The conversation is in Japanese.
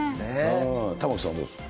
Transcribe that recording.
玉城さんはどうですか。